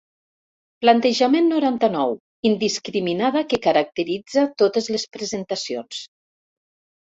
Plantejament noranta-nou indiscriminada que caracteritza totes les presentacions.